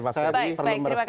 baik terima kasih